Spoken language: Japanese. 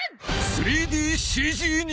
３ＤＣＧ に！